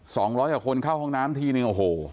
สองร้อยกว่าคนเข้าห้องน้ำทีนึงโอ้โห